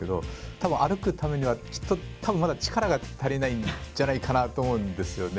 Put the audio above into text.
多分歩くためにはちょっと多分まだ力が足りないんじゃないかなと思うんですよね。